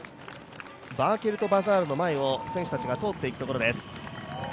ヴァールケルト・バザールの前を選手たちが通っていくところです